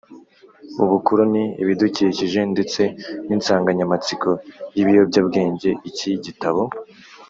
ubukoroni, ibidukikije ndetse n’insanganyamatsiko y’ibiyobyabwenge. Iki gitabo